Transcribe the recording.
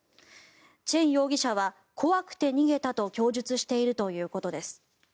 チェン容疑者は、怖くて逃げたと供述しているということです。